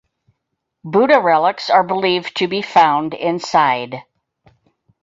Buddha relics are believed to be found inside.